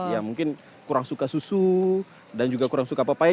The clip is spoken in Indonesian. ya mungkin kurang suka susu dan juga kurang suka pepaya